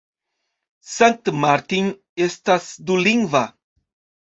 Sankt Martin estas dulingva.